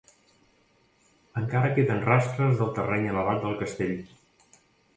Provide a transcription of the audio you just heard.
Encara queden rastres del terreny elevat del castell.